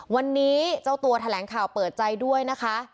วันนี้เจ้าตัวแถลงข่าวเปิดใจด้วยนะคะ